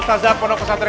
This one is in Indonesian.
selamat dong sopri